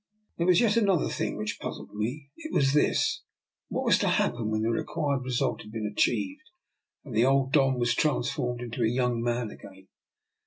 There was yet another thing which puzzled me. It was this — what was to happen when the re quired result had been achieved, and the old Don was transformed into a young man again?